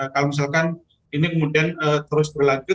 kalau misalkan ini kemudian terus berlanjut